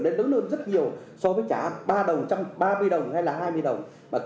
để hỗ trợ cho dân